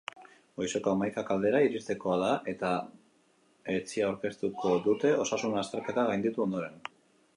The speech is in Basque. Goizeko hamaikak aldera iristekoa da eta etzi aurkeztuko dute osasun azterketa gainditu ondoren.